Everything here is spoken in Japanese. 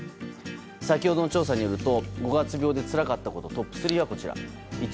先ほどの調査によると五月病でつらかったことトップ３はこちら。